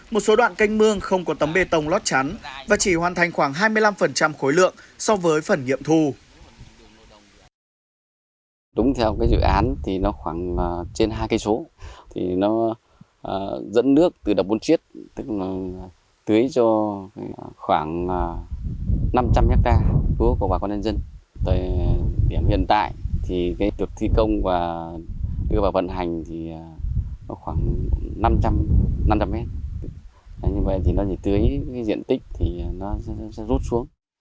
một số đoạn kênh mương không có tấm bê tông lót chắn và chỉ hoàn thành khoảng hai mươi năm khối lượng so với phần nghiệm thu